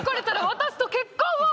「私と結婚を！」